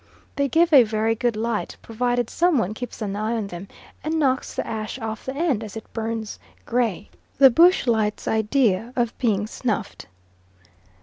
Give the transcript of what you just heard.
They give a very good light, provided some one keeps an eye on them and knocks the ash off the end as it burns gray; the bush lights' idea of being snuffed.